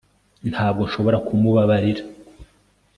Ntabwo nshobora kumubabarira